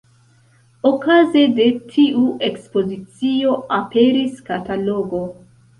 Okaze de tiu ekspozicio aperis katalogo.